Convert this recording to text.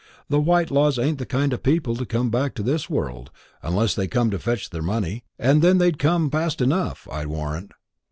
The Whitelaws ain't the kind of people to come back to this world, unless they come to fetch their money, and then they'd come fast enough, I warrant.